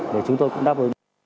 để chúng tôi cũng đáp ứng